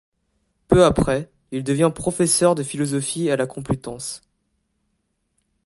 Peu après, il devient professeur de philosophie à la Complutense.